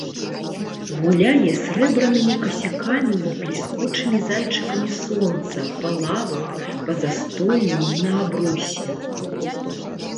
Гуляе срэбранымі касякамі і бліскучымі зайчыкамі сонца па лавах, па застоллю і на абрусе.